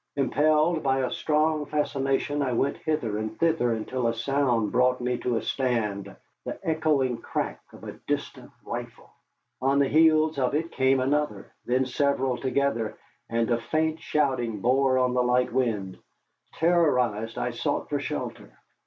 Impelled by a strong fascination, I went hither and thither until a sound brought me to a stand the echoing crack of a distant rifle. On the heels of it came another, then several together, and a faint shouting borne on the light wind. Terrorized, I sought for shelter.